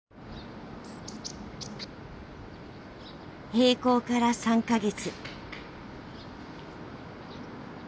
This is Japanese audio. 閉校から３か月。